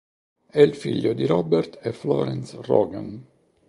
È il figlio di Robert e Florence Rogan.